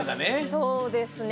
そうですね。